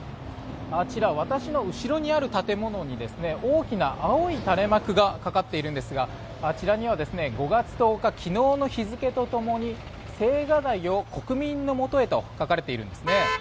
あちら、私の後ろにある建物に大きな青い垂れ幕がかかっているんですがあちらには、５月１０日昨日の日付とともに「青瓦台を国民のもとに」と書かれているんですね。